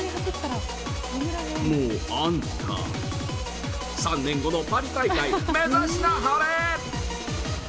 もうあんた、３年後のパリ大会、目指しなはれ！